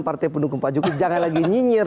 partai pendukung pak jokowi jangan lagi nyinyir